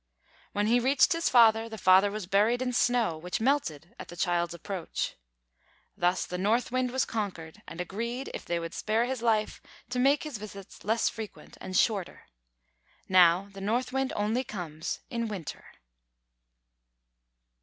When he reached his father, the father was buried in snow, which melted at the child's approach. Thus the North Wind was conquered, and agreed, if they would spare his life, to make his visits less frequent and shorter. Now the North Wind only comes in winter.